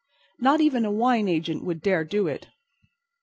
Not even a wine agent would dare do it.